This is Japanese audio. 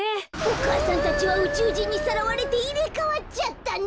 お母さんたちはうちゅうじんにさらわれていれかわっちゃったんだ！